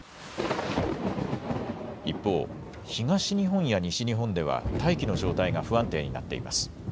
一方、東日本や西日本では大気の状態が不安定になっています。